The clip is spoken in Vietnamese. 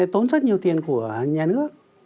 tốn rất nhiều tiền của nhà nước